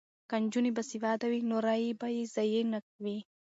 که نجونې باسواده وي نو رایې به یې ضایع نه وي.